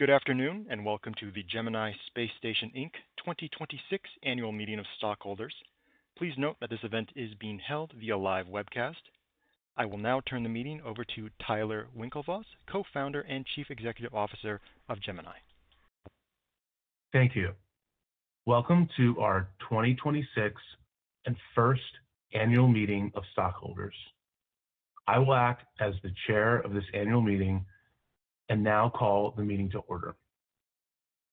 Good afternoon, and welcome to the Gemini Space Station, Inc. 2026 Annual Meeting of Stockholders. Please note that this event is being held via live webcast. I will now turn the meeting over to Tyler Winklevoss, Co-founder and Chief Executive Officer of Gemini. Thank you. Welcome to our 2026 and first Annual Meeting of Stockholders. I will act as the Chair of this Annual Meeting and now call the meeting to order.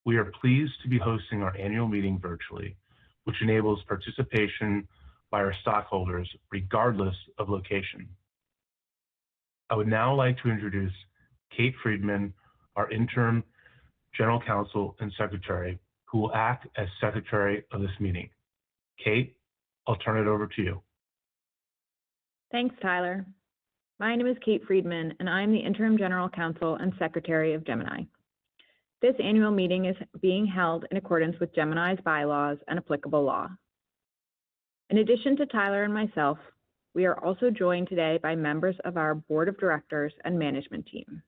We are pleased to be hosting our Annual Meeting virtually, which enables participation by our stockholders regardless of location. I would now like to introduce Kate Freedman, our Interim General Counsel and Secretary, who will act as Secretary of this meeting. Kate, I'll turn it over to you. Thanks, Tyler. My name is Kate Freedman, and I'm the interim general counsel and secretary of Gemini. This Annual Meeting is being held in accordance with Gemini's bylaws and applicable law. In addition to Tyler and myself, we are also joined today by members of our Board of Directors and management team.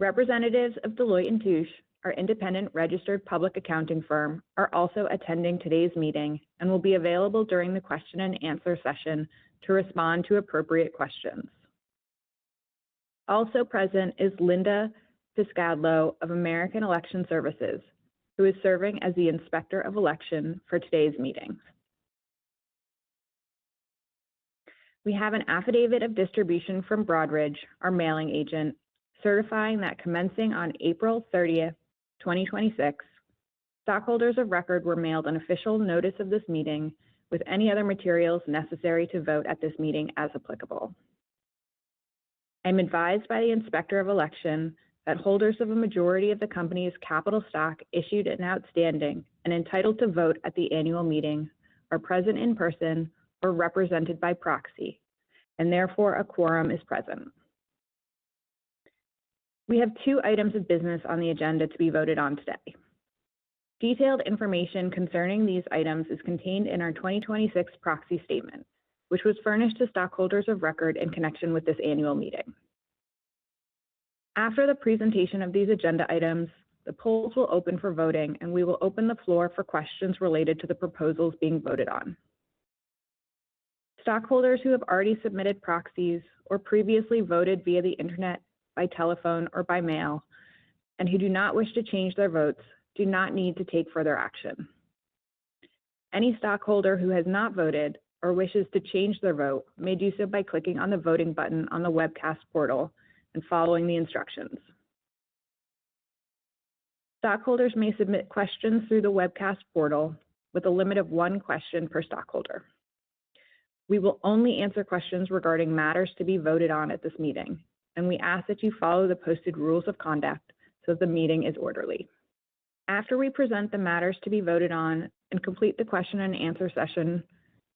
Representatives of Deloitte & Touche, our independent registered public accounting firm, are also attending today's meeting and will be available during the question and answer session to respond to appropriate questions. Also present is Linda Piscadlo of American Election Services, who is serving as the Inspector of Election for today's meeting. We have an affidavit of distribution from Broadridge, our mailing agent, certifying that commencing on April 30th, 2026, stockholders of record were mailed an official notice of this meeting with any other materials necessary to vote at this meeting as applicable. I'm advised by the Inspector of Election that holders of a majority of the company's capital stock issued and outstanding and entitled to vote at the Annual Meeting are present in person or represented by proxy, and therefore a quorum is present. We have two items of business on the agenda to be voted on today. Detailed information concerning these items is contained in our 2026 proxy statement, which was furnished to stockholders of record in connection with this Annual Meeting. After the presentation of these agenda items, the polls will open for voting, and we will open the floor for questions related to the proposals being voted on. Stockholders who have already submitted proxies or previously voted via the internet, by telephone, or by mail, and who do not wish to change their votes, do not need to take further action. Any stockholder who has not voted or wishes to change their vote may do so by clicking on the voting button on the webcast portal and following the instructions. Stockholders may submit questions through the webcast portal with a limit of one question per stockholder. We will only answer questions regarding matters to be voted on at this meeting. We ask that you follow the posted rules of conduct so the meeting is orderly. After we present the matters to be voted on and complete the question and answer session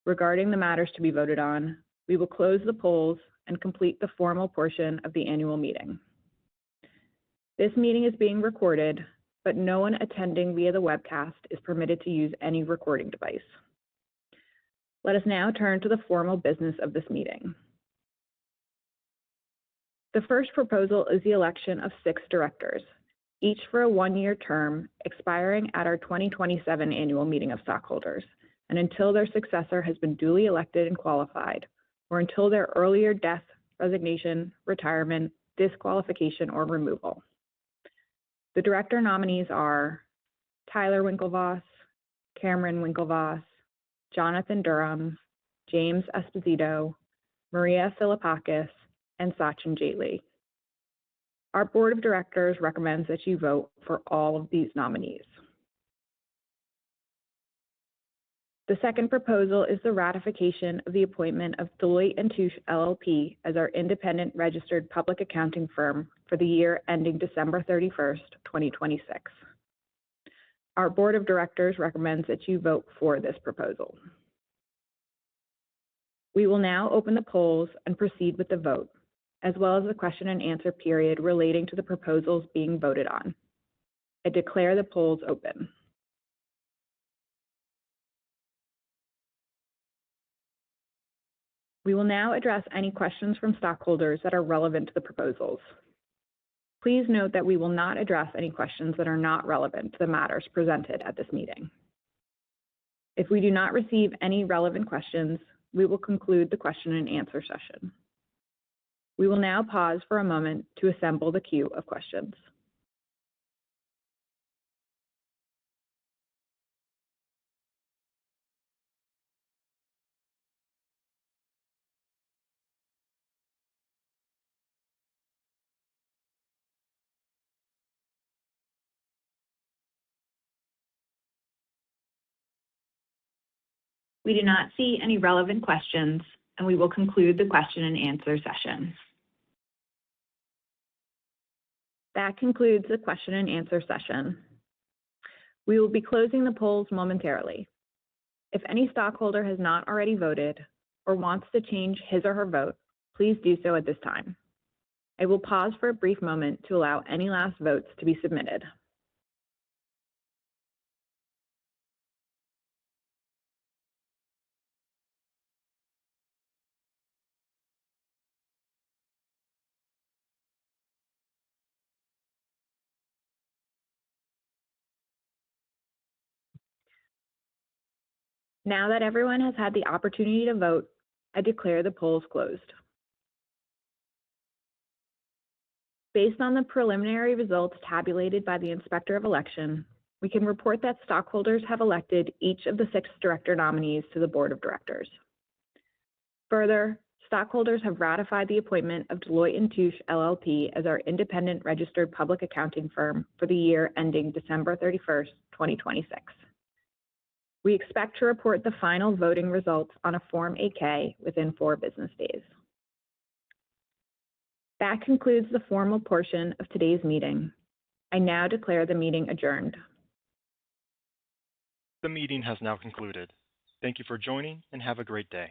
regarding the matters to be voted on, we will close the polls and complete the formal portion of the annual meeting. This meeting is being recorded. No one attending via the webcast is permitted to use any recording device. Let us now turn to the formal business of this meeting. The first proposal is the election of six directors, each for a one-year term expiring at our 2027 annual meeting of stockholders and until their successor has been duly elected and qualified, or until their earlier death, resignation, retirement, disqualification, or removal. The director nominees are Tyler Winklevoss, Cameron Winklevoss, Jonathan Durham, James Esposito, Maria Filipakis, and Sachin Jaitly. Our board of directors recommends that you vote for all of these nominees. The second proposal is the ratification of the appointment of Deloitte & Touche LLP as our independent registered public accounting firm for the year ending December 31st, 2026. Our board of directors recommends that you vote for this proposal. We will now open the polls and proceed with the vote, as well as the question and answer period relating to the proposals being voted on. I declare the polls open. We will now address any questions from stockholders that are relevant to the proposals. Please note that we will not address any questions that are not relevant to the matters presented at this meeting. If we do not receive any relevant questions, we will conclude the question and answer session. We will now pause for a moment to assemble the queue of questions. We do not see any relevant questions. We will conclude the question and answer session. That concludes the question and answer session. We will be closing the polls momentarily. If any stockholder has not already voted or wants to change his or her vote, please do so at this time. I will pause for a brief moment to allow any last votes to be submitted. Now that everyone has had the opportunity to vote, I declare the polls closed. Based on the preliminary results tabulated by the inspector of election, we can report that stockholders have elected each of the six director nominees to the board of directors. Further, stockholders have ratified the appointment of Deloitte & Touche LLP as our independent registered public accounting firm for the year ending December 31st, 2026. We expect to report the final voting results on a Form 8-K within four business days. That concludes the formal portion of today's meeting. I now declare the meeting adjourned. The meeting has now concluded. Thank you for joining, and have a great day